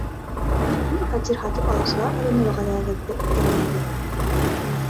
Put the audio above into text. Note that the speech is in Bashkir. — Ә ниңә фатир һатып алыусылар алдында вәғәҙәгеҙҙе үтәмәнегеҙ?